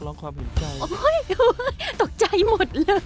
โอ้โหตกใจหมดแล้ว